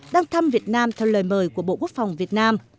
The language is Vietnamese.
đang thăm việt nam theo lời mời của bộ quốc phòng việt nam